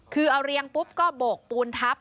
คือเอาเรียงปุ๊บก็โบกปูนทับ